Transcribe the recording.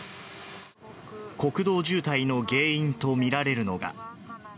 国道渋滞の原因と見られるのが。